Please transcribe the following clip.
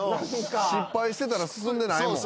失敗してたら進んでないもん。